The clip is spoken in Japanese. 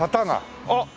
あっ！